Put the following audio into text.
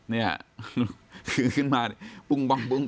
เนี่ยขึ้นมาปุ๊บปุ๊บปุ๊บปุ๊บ